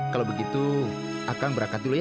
kalau begitu akan berangkat dulu ya